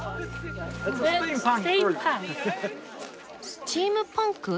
スチームパンク？